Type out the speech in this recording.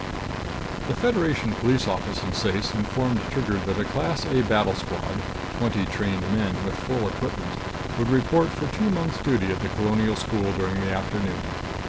The Federation Police Office in Ceyce informed Trigger that a Class A Battle Squad twenty trained men with full equipment would report for two months' duty at the Colonial School during the afternoon.